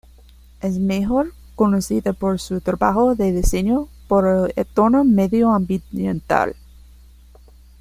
Es mejor conocida por su trabajo de diseño por el entorno medioambiental.